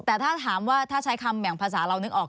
แต่ถ้าถามว่าถ้าใช้คำอย่างภาษาเรานึกออก